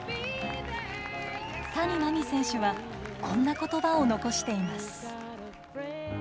谷真海選手はこんな言葉を残しています。